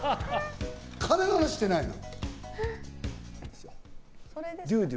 金の話してないの！